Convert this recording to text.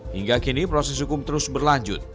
hingga kini proses hukum terus berlanjut